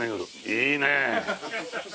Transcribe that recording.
いいねえ！